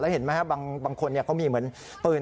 เห็นไหมครับบางคนเขามีเหมือนปืน